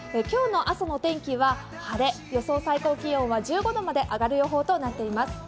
今日の朝の天気は晴れ、予想最高気温は１５度まで上がる予想となっております。